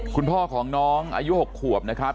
คุณพ่อของน้องอายุ๖ขวบนะครับ